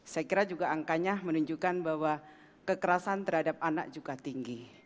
saya kira juga angkanya menunjukkan bahwa kekerasan terhadap anak juga tinggi